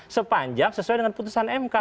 sepanjang sesuai dengan putusan mk